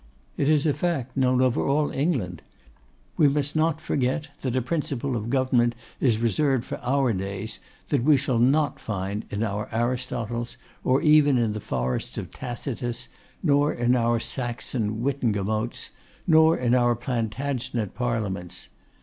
It is a fact known over all England. We must not forget that a principle of government is reserved for our days that we shall not find in our Aristotles, or even in the forests of Tacitus, nor in our Saxon Wittenagemotes, nor in our Plantagenet parliaments.